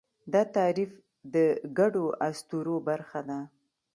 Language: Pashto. دا تعریف د ګډو اسطورو برخه ده.